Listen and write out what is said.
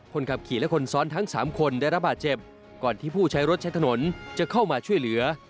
คนขับขี่และคนซ้อนทั้ง๓คนได้รับบาดเจ็บก่อนที่ผู้ใช้รถใช้ถนนจะเข้ามาช่วยเหลือ